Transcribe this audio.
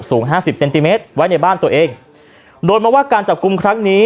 ห้าสิบเซนติเมตรไว้ในบ้านตัวเองโดยมาว่าการจับกลุ่มครั้งนี้